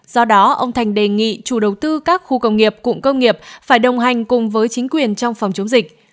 do đó ông thành đề nghị chủ đầu tư các khu công nghiệp cụm công nghiệp phải đồng hành cùng với chính quyền trong phòng chống dịch